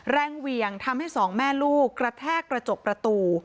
เหวี่ยงทำให้สองแม่ลูกกระแทกกระจกประตู